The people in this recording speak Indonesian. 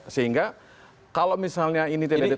sehingga kalau misalnya ini tidak terjadi